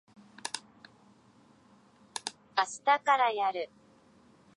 あしたからやる。